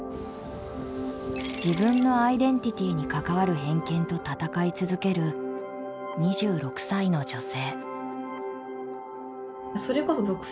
自分のアイデンティティーに関わる偏見と闘い続ける２６歳の女性。